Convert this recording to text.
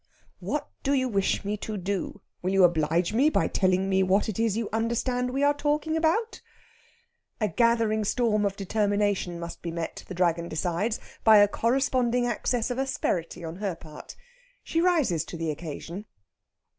"What do you wish me to do? Will you oblige me by telling me what it is you understand we are talking about?" A gathering storm of determination must be met, the Dragon decides, by a corresponding access of asperity on her part. She rises to the occasion.